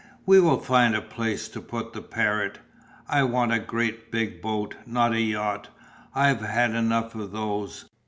"We will find a place to put the parrot. I want a great big boat, not a yacht. I've had enough of those.